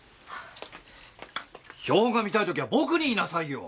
標本が見たい時は僕に言いなさいよ！